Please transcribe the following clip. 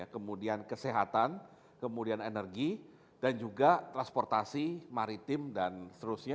kemudian kesehatan kemudian energi dan juga transportasi maritim dan seterusnya